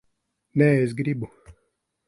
Nē, es gribu.